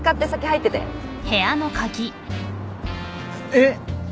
えっ？